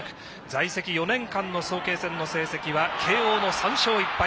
在籍４年間の早慶戦の成績は慶応戦の３勝１敗。